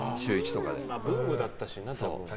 ブームだったしな。